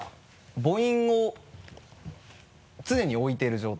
母音を常に置いてる状態。